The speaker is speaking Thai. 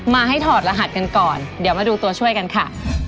มาให้ถอดรหัสกันก่อนเดี๋ยวมาดูตัวช่วยกันค่ะ